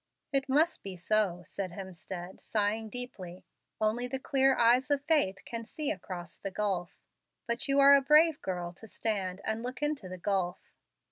"It must be so," said Hemstead, sighing deeply. "Only the clear eyes of faith can see across the gulf. But you are a brave girl to stand and look into the gulf."